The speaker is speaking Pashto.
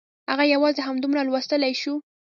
هغه یوازې همدومره لوستلی شو